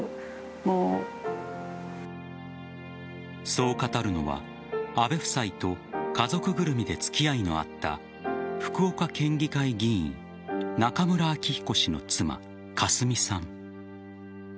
そう語るのは安倍夫妻と家族ぐるみで付き合いのあった福岡県議会議員中村明彦氏の妻・香寿美さん。